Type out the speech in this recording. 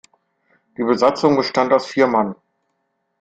Die Besatzung bestand aus vier Mann.